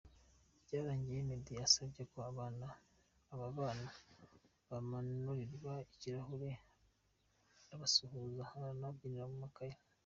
Byarangiye Meddy asabye ko aba bana bamanurirwa ikirahure arabasuhuza anabasinyira mu makaye.